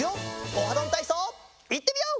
「オハどんたいそう」いってみよう！